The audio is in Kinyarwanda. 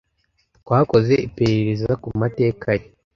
Twakoze iperereza kumateka ye.